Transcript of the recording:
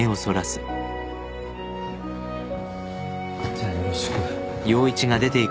じゃあよろしく。